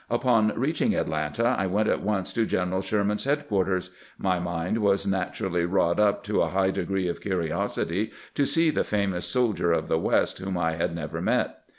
Upon reaching Atlanta, I went at once to General Sher man's headquarters. My mind was naturally wrought up to a high pitch of curiosity to see the famous soldier of the "West, whom I had never met.